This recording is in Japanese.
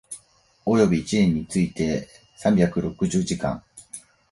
及び一年について三百六十時間